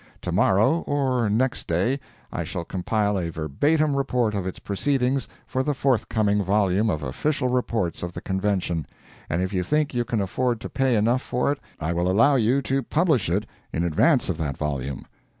To morrow or next day I shall compile a verbatim report of its proceedings for the forthcoming volume of official reports of the Convention, and if you think you can afford to pay enough for it I will allow you to publish it in advance of that volume.